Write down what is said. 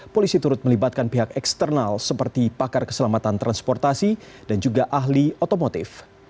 polisi turut melibatkan pihak eksternal seperti pakar keselamatan transportasi dan juga ahli otomotif